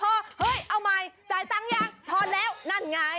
เฮ้ยเอาใหม่จ่ายตังค์ยังทอนแล้วนั่นไง